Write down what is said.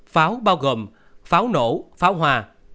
pháo bao gồm pháo nổ pháo hoa